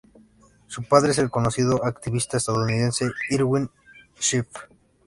Su padre es el conocido activista estadounidense Irwin Schiff.